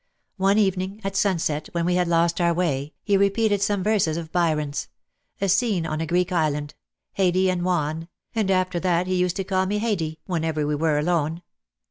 One evening at sunset, when we had lost our way, he repeated some verses of Byron's — a scene on a Greek Island — Haidee and Juan, and after that he used to call me Haidee, whenever we were alone.